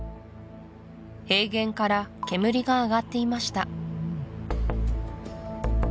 平原から煙が上がっていました